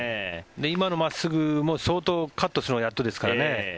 今の真っすぐも相当カットするのがやっとですからね。